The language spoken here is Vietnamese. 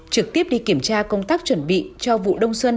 trực tiếp đi kiểm tra công tác chuẩn bị cho vụ đông xuân